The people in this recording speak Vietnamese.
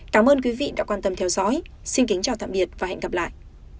cảm ơn quý vị đã quan tâm theo dõi xin kính chào tạm biệt và hẹn gặp lại